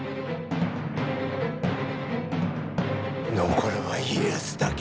残るは家康だけ。